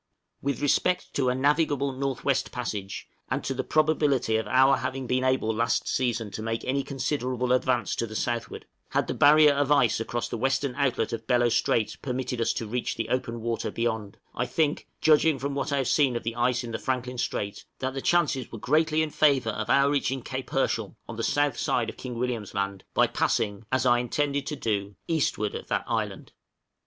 } With respect to a navigable North West Passage, and to the probability of our having been able last season to make any considerable advance to the southward, had the barrier of ice across the western outlet of Bellot Strait permitted us to reach the open water beyond, I think, judging from what I have since seen of the ice in the Franklin Strait, that the chances were greatly in favor of our reaching Cape Herschel, on the S. side of King William's Land, by passing (as I intended to do) eastward of that island.